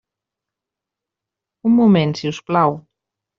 Un moment, si us plau.